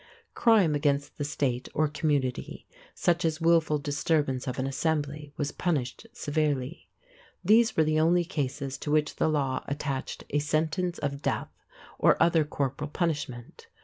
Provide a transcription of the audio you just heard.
Crime against the State or community, such as wilful disturbance of an assembly, was punished severely. These were the only cases to which the law attached a sentence of death or other corporal punishment.